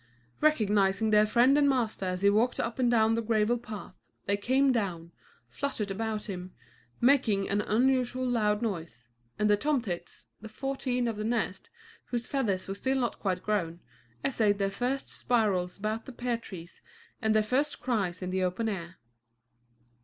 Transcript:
Recognizing their friend and master as he walked up and down the gravel path, they came down, fluttered about him, making an unusually loud noise, and the tomtits, the fourteen of the nest, whose feathers were still not quite grown, essayed their first spirals about the pear trees and their first cries in the open air.